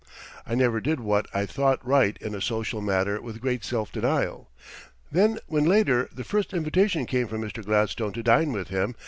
] I never did what I thought right in a social matter with greater self denial, than when later the first invitation came from Mr. Gladstone to dine with him.